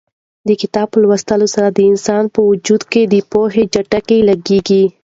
د کتاب په لوستلو سره د انسان په وجود کې د پوهې جټکې لګېږي.